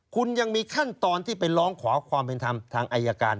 คุณยังมีขั้นตอนที่ไปร้องขอความเป็นธรรมทางอายการ